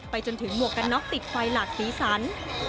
จนถึงหมวกกันน็อกติดไฟหลากสีสัน